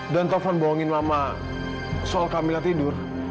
dan taufan bohongin mama soal kamila tidur